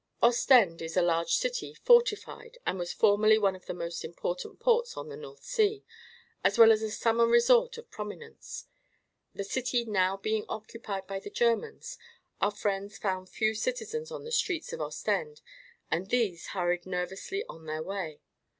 Ostend is a large city, fortified, and was formerly one of the most important ports on the North Sea, as well as a summer resort of prominence. The city now being occupied by the Germans, our friends found few citizens on the streets of Ostend and these hurried nervously on their way.